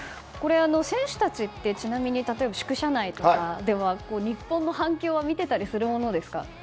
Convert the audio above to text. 選手たちってちなみに宿舎内などで日本の反響見ていたりするものですか？